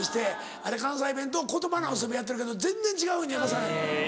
あれ関西弁と言葉の遊びやってるけど全然違うふうに訳される。